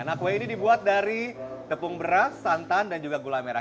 nah kue ini dibuat dari tepung beras santan dan juga gula merah